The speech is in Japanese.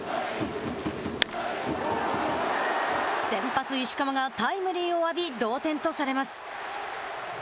先発石川がタイムリーを浴び同点とされます。